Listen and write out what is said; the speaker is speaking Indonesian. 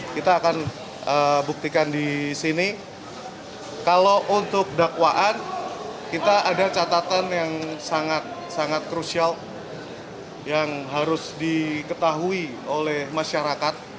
kita akan buktikan di sini kalau untuk dakwaan kita ada catatan yang sangat sangat krusial yang harus diketahui oleh masyarakat